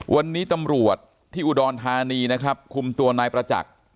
วันนี้ตำรวจที่อุดรธานีนะครับคุมตัวนายประจักษ์